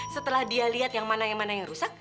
setelah dia lihat yang mana yang mana yang rusak